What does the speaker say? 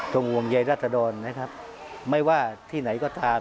ตรงงวงยายรัฐดอร์ไม่ว่าที่ไหนก็ตาม